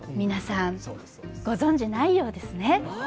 皆さん、ご存じないようですね。